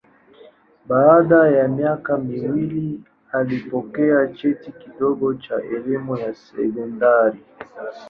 Baada ya miaka miwili alipokea cheti kidogo cha elimu ya sekondari.